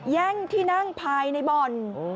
แย่งที่นั่งภายในบ่อน